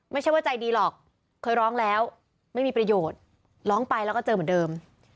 ไม่ใช่ว่าใจดีหรอกเคยร้องแล้วไม่มีประโยชน์ร้องไปแล้วก็เจอเหมือนเดิม